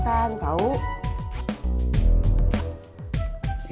berenang itu bagus buat kesehatan